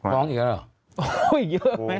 บอกอีกเยอะนะ